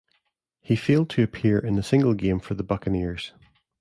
He failed to appear in a single game for the Buccaneers.